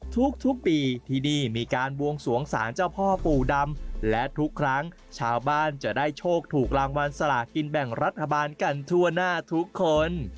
ทุกปีที่นี่มีการบวงสวงสารเจ้าพ่อปู่ดำและทุกครั้งชาวบ้านจะได้โชคถูกรางวัลสลากินแบ่งรัฐบาลกันทั่วหน้าทุกคน